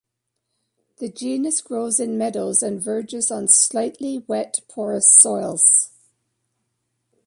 The genus grows in meadows and verges on slightly wet porous soils.